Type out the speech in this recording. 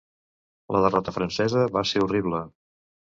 La derrota francesa va ser horrible.